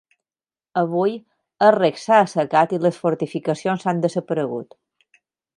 Avui, el rec s'ha assecat i les fortificacions han desaparegut.